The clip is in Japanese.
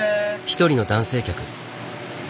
一人の男性客。